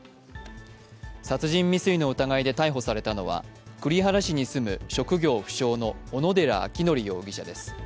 殺人未遂の疑いで逮捕されたのは栗原市に住む職業不詳の小野寺章仁容疑者です。